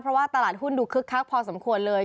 เพราะว่าตลาดหุ้นดูคึกคักพอสมควรเลย